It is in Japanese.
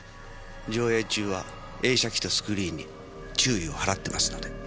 上映中は映写機とスクリーンに注意を払ってますので。